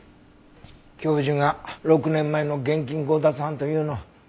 教授が６年前の現金強奪犯というの。